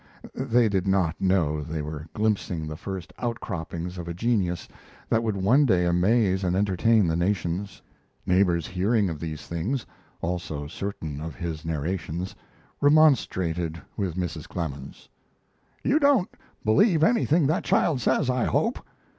They did not know they were glimpsing the first outcroppings of a genius that would one day amaze and entertain the nations. Neighbors hearing of these things (also certain of his narrations) remonstrated with Mrs. Clemens. "You don't believe anything that child says, I hope."